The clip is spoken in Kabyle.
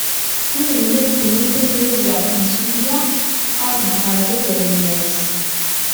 Tanelmadt-nni tazrazaɣt n Surya, teqqar deg uɣerbaz alemmas.